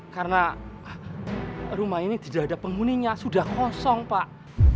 karena rumah ini tidak ada penghuninya sudah kosong pak